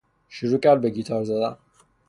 شروع کرد به گیتار زدن.